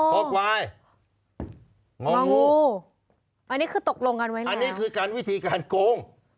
พอควายงองูอันนี้คือตกลงกันไว้นะอันนี้คือการวิธีการโกง